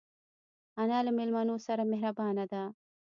انا له مېلمنو سره مهربانه ده